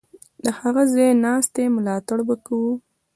د هغه د ځای ناستي ملاتړ به کوو.